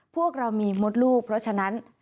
พวกเรามีมดลูกเพราะฉะนั้น